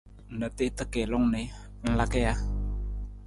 Na tiita kiilung ni, ng laka ja?